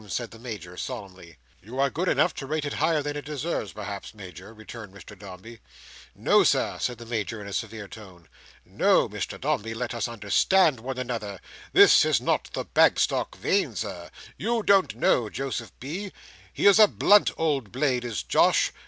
said the Major, solemnly. "You are good enough to rate it higher than it deserves, perhaps, Major," returned Mr Dombey. "No, Sir," said the Major, in a severe tone. No, Mr Dombey, let us understand each other. That is not the Bagstock vein, Sir. You don't know Joseph B. He is a blunt old blade is Josh.